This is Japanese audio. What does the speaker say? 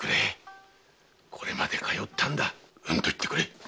〔これまで通ったんだ「うん」と言ってくれ〕